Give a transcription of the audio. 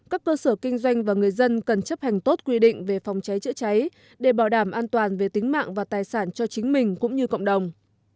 các cơ sở kinh doanh và người dân cần chấp hành tốt quy định về phòng cháy chữa cháy để bảo đảm an toàn về tính mạng và tài sản cho chính mình cũng như cộng đồng